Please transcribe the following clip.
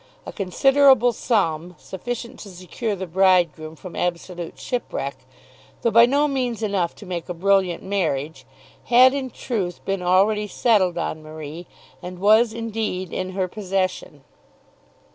A considerable sum, sufficient to secure the bridegroom from absolute shipwreck, though by no means enough to make a brilliant marriage, had in truth been already settled on Marie, and was, indeed, in her possession.